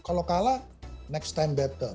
kalau kalah next time battle